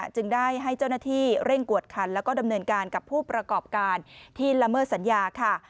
จึงได้ให้เจ้าหน้าที่เร่งกวดคันแล้วก็ดำเนินการกับผู้ประกอบการที่ละเมิดสัญญาค่ะ